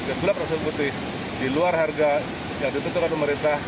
ke gula produk putih di luar harga yang ditentukan pemerintah